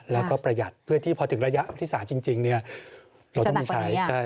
แล้วก็ประหยัดเพื่อที่พอถึงระยะที่๓จริงเราต้องมีใช้